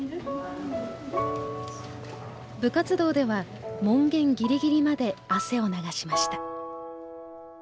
部活動では門限ギリギリまで汗を流しました。